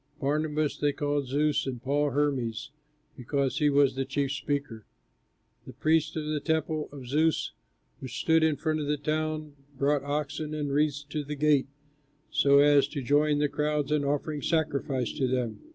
Barnabas they called "Zeus," and Paul "Hermes," because he was the chief speaker. The priests of the temple of Zeus, which stood in front of the town, brought oxen and wreaths to the gates, so as to join the crowds in offering sacrifice to them.